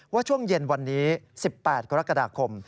ช่วงเย็นวันนี้๑๘กรกฎาคม